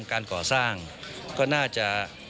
การก่อสร้างก็น่าจะ